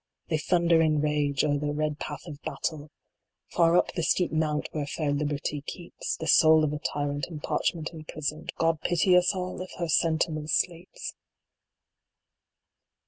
They thunder in rage, o er the red path of Battle, Far up the steep mount where fair Liberty keeps The soul of a Tyrant in parchment imprisoned ; God pity us all, if her Sentinel sleeps